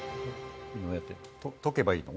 とけばいいの？